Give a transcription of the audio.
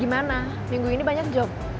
gimana minggu ini banyak job